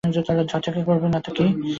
বকাঝকা করবে না তো কি!